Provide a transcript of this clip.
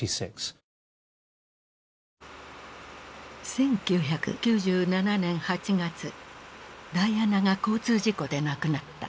１９９７年８月ダイアナが交通事故で亡くなった。